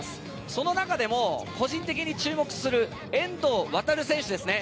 その中でも個人的に注目する遠藤航選手ですね。